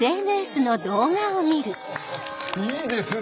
いいですね